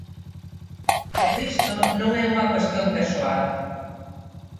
Pero isto non é unha cuestión persoal.